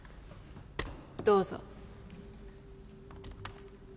どうぞ。